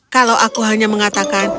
kalau aku hanya mengatakan